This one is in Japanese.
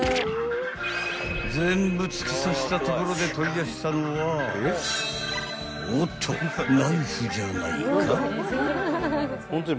［全部突き刺したところで取り出したのはおっとナイフじゃないか］